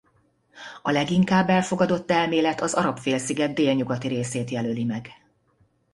A leginkább elfogadott elmélet az Arab-félsziget délnyugati részét jelöli meg.